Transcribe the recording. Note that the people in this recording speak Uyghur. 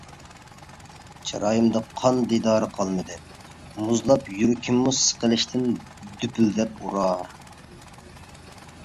چىرايىمدا قان دىدارى قالمىدى مۇزلاپ، يۈرىكىممۇ سىقىلىشتىن دۈپۈلدەپ ئۇرار!